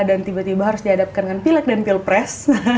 dan tiba tiba harus diadapkan dengan pilak dan pilpres